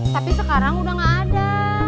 tapi sekarang udah gak ada